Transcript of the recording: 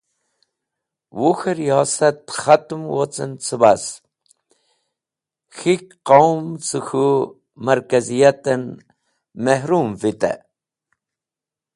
Wuk̃he Riyosat Khatem wocnen cebas, K̃hik Qaum ce k̃hu markaziyaten Mehrum vitey.